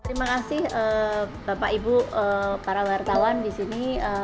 terima kasih bapak ibu para wartawan disini